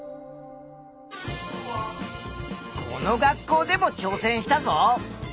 この学校でもちょうせんしたぞ！